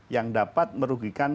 yang dapat merugikan